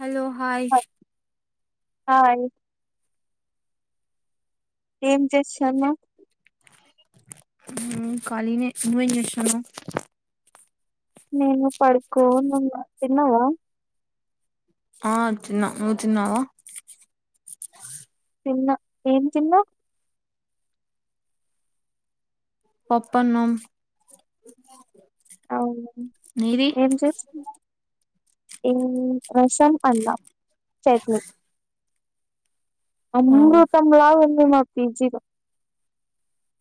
Hello hi hi ఏమ్ చేసన్నావ్ మ్మ్ ఖాళినే, నువ్వేం జెస్తున్నవ్? నేను పడుకోనున్న తిన్నవా? ఆ తిన్న, నువ్ తిన్నవా? తిన్న, ఏం తిన్నవ్? పప్ అన్నం. అవునా ఏం చేస్తున్నవ్ ఏం రసం అన్నం చట్ని ఓ అమృతంల ఉంది మా పిజి లో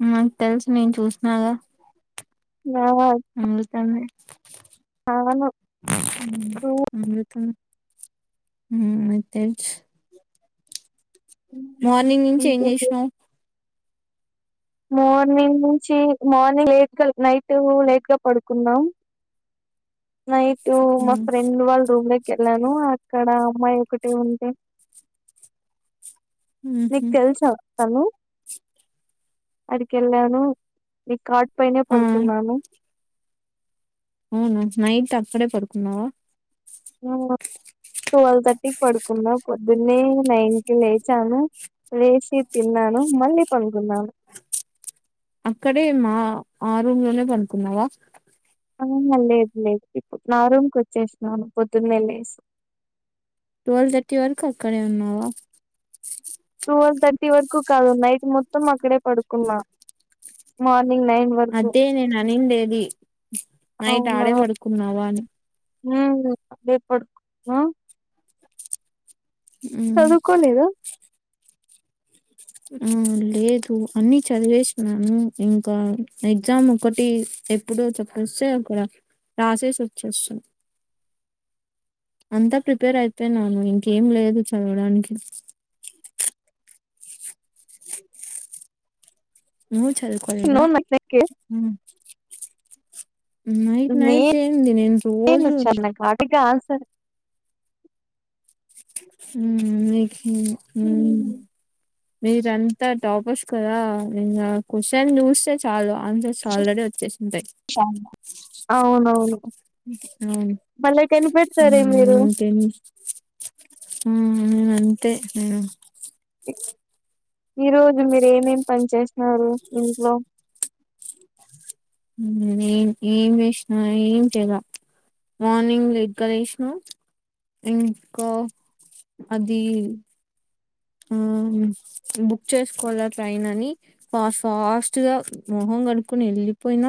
ఉ నాకు తెలుసు నేన్ చూసినగ నా ఉమ్ అమృతమే చాను ఊ అమృతమే ఉ తెలుస్ మార్నింగ్ నుంచి ఏమి ఇంకేంటి చేసినవ్ మార్నింగ్ నుంచీ మార్నింగ్ లేట్ గా నైటు లేట్ గా పడుకున్నా నైటు మా ఉమ్ ఫ్రెండ్ వాళ్ళ రూమ్ లోకి వెళ్ళాను ఆ అక్కడ ఆమ్మాయి ఒకటే ఉంటే ఉ హు హలో ఆడికి యెళ్ళాను రికార్డ్ పైనే ఆ పడుకున్నాను వునా నైట్ అక్కడే పడుకున్నావా టువెల్ థర్టికి పడుకున్నా పొద్దున్నే నైన్ కి లేచాను లేచి తిన్నాను మళ్ళి పడుకున్నాను అక్కడే మా ఆ రూమ్ లోనే పడుకున్నావా [unintelligible] లేద్ లేద్ నా రూమ్ కి వచ్చేసినాను పొద్దున్నే లేసి. టువెల్ థర్టీ వరకు అక్కడే ఉన్నావా టువెల్ థర్టి వరకు కాదు నైట్ మొత్తం అక్కడే పడుకున్నా మార్ని అదే నేన్ అనిండేది నైట్ ఆడే పడుకున్నావా అని ఉ ఆ రేప్ పడుకొన్నావా ఉమ్ చదువుకొలేదు ఉ లేదు అన్ని చదివేసినాను ఇంక ఎగ్జామ్ ఒకటి ఎప్పుడో చొప్పేస్తే అక్కడ రాసేసి వచ్చేస్తామ్ అంత ప్రిపేర్ అయిపోయ్ నువ్ ఇంకేం లేదు చదవడానికి. [inaudible] నువ్ నో ఛదువుకోలేదా నాకే హు నైట్ నైట్ నేను యేంది నేన్‌ రోజు పర్ ఉ నీకి ఉ మీరంత టాపర్స్ కదా నిన్న ఆ క్వషన్ చూస్తే చాలు ఆన్సర్స్ ఆల్రెడి వచ్చేసుంటాయ్ అవునవును అవును భలే ఉ కనిపెడతారే మీరు ఇంకేమి ఆ ఆ అంతే నేనా ఈ రోజు మీరు ఏమేమ్ పని చేసినరు ఇంట్లో ఉ నేన్ ఏమ్ ఏమ్ చేసిన ఏమ్ చేయలా మార్నింగ్ లేట్ గా లేసినా ఇంకా అది ఆ హుమ్ బుక్ చేస్కోవాలా ట్రైన్ అని ఫాస్ట్ ఫాస్ట్ గ మొహు మొహం కడుక్కొనే వెళ్ళిపోయిన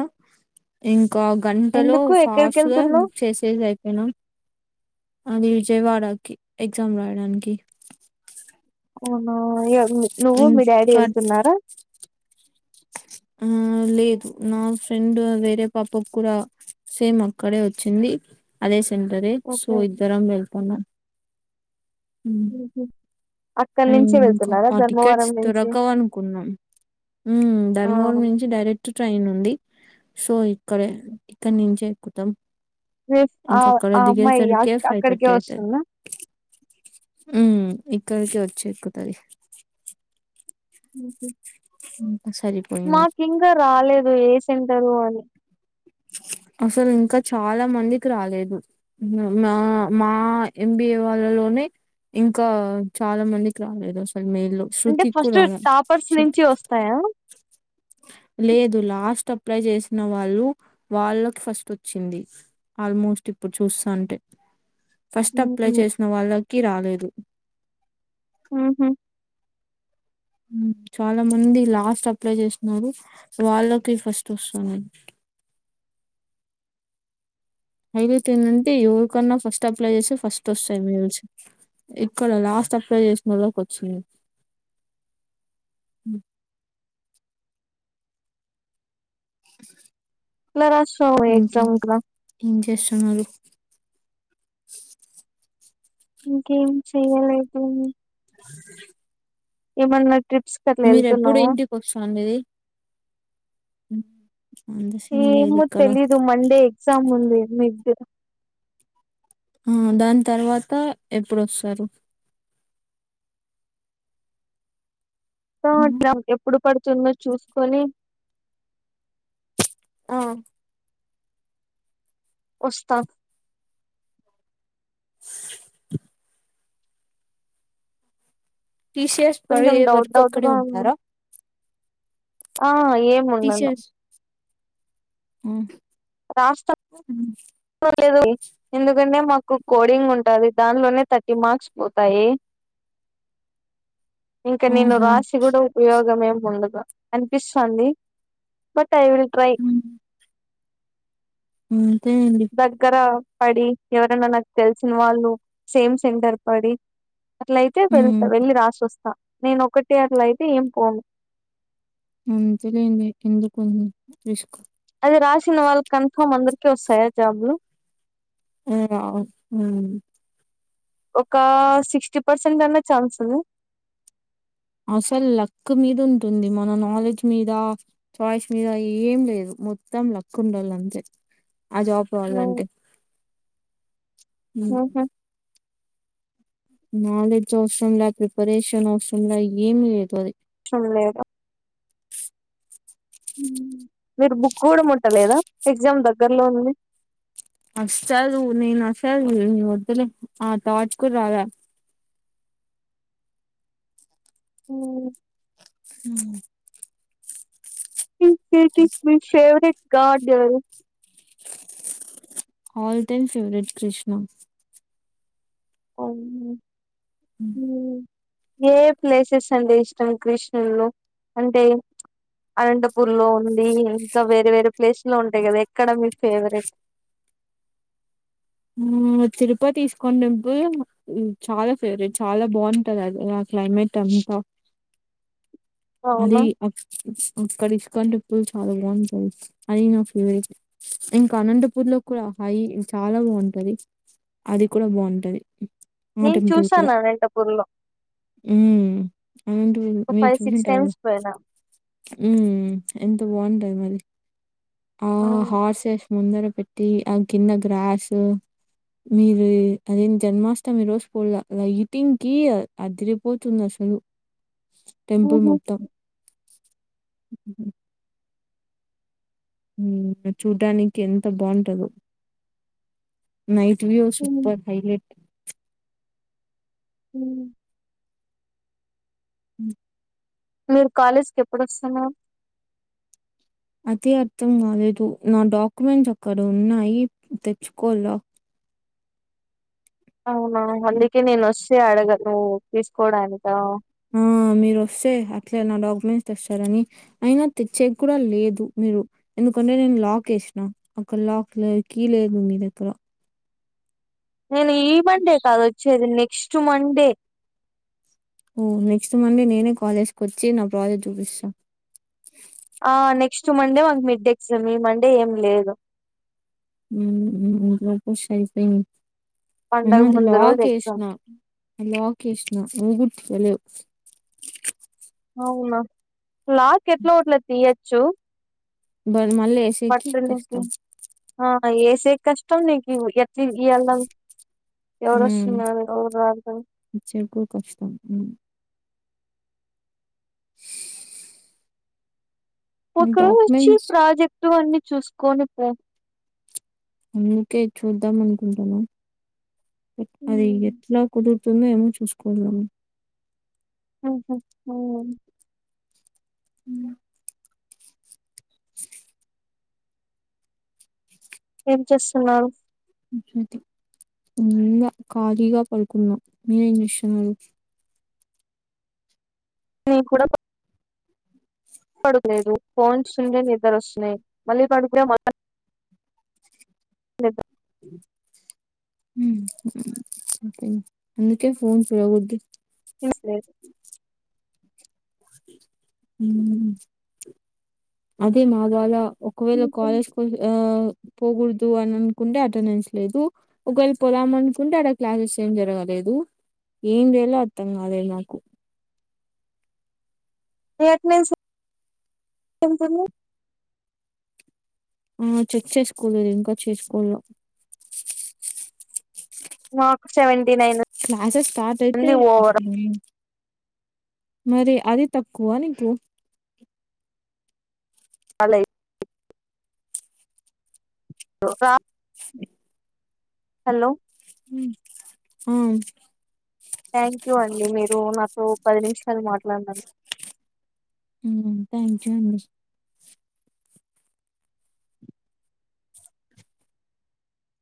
ఇన్ క గంటలో ఎందుకు ఎక్కడికి ఫాస్ట్ గా వెళ్తున్నావ్ బుక్ చేసేసి అయిపోయిన అది విజయవాడకి ఎగ్జామ్ రాయడానికి అవునా ఏవ్ వ్ నువ్వు మీ డాడి ఇంకా వెళ్తున్నారా ఆ లేదు నా ఫ్రెండ్ వేరే పాపకు కూడా సేమ్ అక్కడే వచ్చింది అదే సెంటరే సో ఓకే ఇద్దరం వెళ్తన్నామ్. ఓ హొ ఇంకా ఆ టికెట్స్ నుంచి దొరకవ్ అనుకున్నా ఉమ్ ఆ ధర్మవరం నుంచి డైరెక్ట్ ట్రై ట్రైన్ ఉంది సో ఇక్కడే ఇక్కడ నుంచే ఎక్కుతాం మీ ఆ ఇంక అక్కడ ఆ అమ్మాయి దిగేసరికే అక్ ఫైవ్ అక్కడికే థర్టీ అయిత వస్తుందా ఉ ఇక్కడికి వచ్చి ఎక్కుతది ఉహు ఉ మాకింక రాలేదు ఏ సెంటరు అని. అసలు ఇంక చాలా మందికి రాలేదు. హు నా మా ఎంబిఏ వాళ్ళలో నే ఇంకా చాల మందికి రాలేదు స్ మైల్లో అంటే శృతి కు ఫస్ట్ రాల టాపర్స్ షట్ నుంచి వస్తాయా లేదు లాస్ట్ అప్లై చేసిన వాళ్ళు వాళ్ళక్ ఫస్ట్ వచ్చింది ఆల్మోస్ట్ ఇప్పుడు చూసాంటే. ఫస్ట్ అప్లై ఉహు చేసిన వాళ్ళకి రాలేదు ఉహు ఉ చాలా మంది లాస్ట్ అప్లై చేస్నారు, వాళ్ళకి ఫస్ట్ వస్తున్నయ్. అ అయితే తినుంటి ఎవరికన్న ఫస్ట్ అప్లై చేస్తే ఫస్ట్ వస్తాయేమో ల్సి ఇక్కడ లాస్ట్ అప్లై చేసినొళ్ళకి వచ్చి ఉ ఎట్లా రాసినావు ఎగ్జామ్ ఇంకేం కి రా ఏం చేస్తున్నారు? ఇంకేం చెయ్యలేదు ఏమన్నా ట్రిప్స్ కి అట్ల మీరెప్పుడు ఎళ్తున్నవా? హు ఏమో తెలీదు, మండే ఎగ్జామ్ ఉంది మిడ్. ఆ దాని తర్వాత, ఎప్పుడుొస్తారు? తా అట్లా ఎప్పుడు పడుతుందొ చూసుకొని ఆ వస్తా టి సి ఎస్ పడే కొంచెం డౌట్ వరకు డౌట్ అక్కడే గా ఉంది ఉంటారా? ఆ ఏముండదు టీసీఎస్ ఆ లే. ఎందుకంటే మాకు కోడింగ్ ఉంటది దాన్లోనే థర్టీ మార్క్స్ పోతాయి. ఇంక నేను ఆహా! రాశి కూడా ఉపయోగం ఏమి ఉండదు, అనిపిస్తాంది. బట్ టా ఐ విల్ ట్రై ఉ దగ్గర పడి, ఎవరన్న నాకు తెలిసిన వాళ్ళు సేమ్ సెంటర్ పడి అట్లయితే వెళ్త హ్మ్. వెళ్ళి రాసొస్తా నేను ఒకటి అట్లా అయితే ఏం పోను ఉ వద్దులే మే ఎందుకు అన్ రిస్క్ అది రాసిన వాల్కు కన్ఫామ్ అందరికి వస్తయా జాబ్ లు? ఏ రావు ఉ ఒక సిక్స్టీ పర్సెంట్ అన్న ఛాన్స్ ఉంద? అసలు లక్ మీద ఉంటుంది. మన నాలెడ్జ్ మీద, చాయిస్ మీద ఏం లేదు. మొత్తం లక్ ఉండళ్ళ అంతే ఆ జాబ్ కావాలంటే ఉ నాలెడ్జ్ అవసరంలా, ప్రిపరేషన్ అవసరంలా ఏమి లేదు అది. సరం లేదా? మీరు బుక్ కూడా ముట్టలేదా? ఎగ్జామ్ దగ్గరలో ఉంది. అసలు నేను అసలు వద్దులే. ఆ థాట్స్ కూడ్ రాల. ఉమ్ హ్మ్ ఇంకేంటి మీ ఫేవరెట్ గాడు ఆల్ టైం ఫెవరెట్ కృష్ణ అవునా హ్మ్ ఏ ఏ ప్లేసెస్ అంటే ఇష్టం కృష్ణుడ్లో అంటే అనంతపూర్ లో ఉంది ఇంకా వేరే వేరే ప్లేసు లో ఉంటాయి కదా ఎక్కడ మీ ఫేవరెట్? [inaudible] మ్మ్ తిరుపతి ఇస్కాన్ టెంపుల్ చాలా ఫేవరెట్ చాలా బాగుంటది. అది ఆ క్లైమే టంత [inaudible] అది అవునా అ అక్కడ ఇస్కాన్ టెంపుల్ చాలా బాగుంటుంది. అది నా ఫేవరెట్ ఇంకా అనంతపూర్ లో కూడా అయి చాలా బాగుంటది అది కూడా బాగుంటది. ఆ నేన్ టెంపుల్ కూడా చూశాను అనంతపూర్ లో మ్మ్ అనంతపూర్ ఒక మీరు ఫైవ్ సిక్స్ చూసింటరు. టైమ్స్ పోయినా మ్మ్ ఎంత బాగుంటది మలి ఆ హార్సేస్ ముందర పెట్టి ఆ కింద గ్రాసు మీరు అదేంది జన్మాష్టమి రోజు పోలా లైటింగ్ కి అదిరిపోతుంది అసలు. [inaudible] టెంపుల్ మొత్తం [inaudible] మ్మ్ చూడ్డానికి ఎంత బాగుంటదో నైట్ వ్యూ సూపర్ హైలైట్ మ్ మ్ మీరు కాలేజీకి ఎప్పుడొస్తున్నారు? అదే అర్థం కాలేదు నా డాక్యుమెంట్స్ అక్కడ ఉన్నాయి తెచ్చుకోలా అవునా అందుకే నేను వస్తే అడగను నువ్వు తీసుకోడానికా! ఆ మీరు వస్తే అట్లే నా డాక్యుమెంట్స్ తెస్తారని, అయినా తెచ్చేకీ కూడా లేదు. మీరు ఎందుకంటే నేను లాక్ ఏసినా అక్కడ లాక్ లే కీ లేదు మీ దగ్గర నేను ఈ మండే కాదు వచ్చేది నెక్స్ట్ మండే. ఓ నెక్స్ట్ మండే నేనే కాలేజ్కి వచ్చి నా ప్రాజెక్ట్ చూపిస్తా. ఆ నెక్స్ట్ మండే మాకు మిడ్డెక్స్ ఈ మండే ఏం లేదు. హ్మూఁ ఆల్మోస్ట్ ఐపోంది. అయిన పండగ అది ముందు రోజు లాక్ ఎగ్జామ్ ఏస్నా లాక్ ఏస్నా నువ్వు కూ తెలియవు అవునా లాక్ ఎట్లో అట్ల తియొచ్చు. బల్ మళ్ళీ ఎసేకి కష్టం. ఏసేకి కష్టం నీకి ఎట్లు ఇయల ఎవరూ హ్మ్. వస్తూన్నారు ఎవరు రారుగా తెచ్చేకి కూడా కష్టం. హ్మ్. [inaudible] నీ ఒక రోజూ వచ్చి డాక్యుమెంట్స్ ప్రాజెక్టు అన్ని చూసుకొని పో అందుకే చూద్దాం అనుకుంటా ఊ అది ఎట్లా కుదురు తుందెమో ఎమో చూసుకోవల మ్మ్ హు మ్మూఁ మ్ ఏం చేస్తున్నారు? [unintelligible] ఏంలా ఖళీగా పడుకున్న మీరేం చేస్తున్నరు? నేను కూడ ప పడుకొలేదు ఫోన్స్ండేని నిద్దరస్తున్నాయి మళ్ళీ పడుకునే మ లేదా ఉ [unintelligible] అందుకే ఫోన్ చూడొద్దు ఏం లేదు ఊ అది మగాళ ఒకవేళ కాలేజ్ కి వో ఆ పోకూడదు అని అనుకుంటే అటెండెన్స్ లేదు ఒకవేళ పోదాం అనుకుంటే అక్కడ క్లాసెస్ ఏం జరగలేదు ఏం చేయాలో అత్తంగాలే నాకు నీ అటెండెన్స్ పోతుంది ఆ చెక్ చేసుకోలేదు ఇంకా చేసుకోలా నాకు సెవెంటీ నైన్ క్లాసెస్ స్టార్ట్ అయితే ఉంది ఓవరాల్ మరి అది తక్కువ నీకు అలై హలో ఆ థ్యాంక్ యూ అండి మీరు నాతో పది నిమిషాలు మాట్లాడినందుకు ఊ థ్యాంక్ యూ అండి